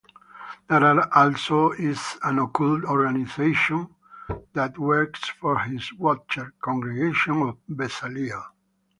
There also is an occult organization that works for this Watcher: Congregation of Bezaliel.